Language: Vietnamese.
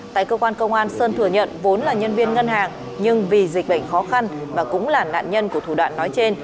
tại cơ quan công an sơn thừa nhận vốn là nhân viên ngân hàng nhưng vì dịch bệnh khó khăn và cũng là nạn nhân của thủ đoạn nói trên